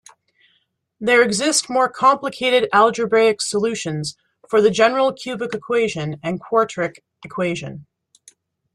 There exist more complicated algebraic solutions for the general cubic equation and quartic equation.